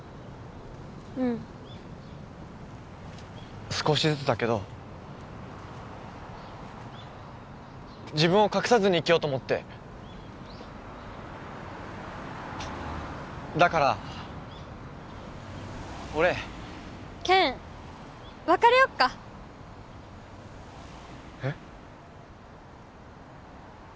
うん少しずつだけど自分を隠さずに生きようと思ってだから俺健別れよっかえっ？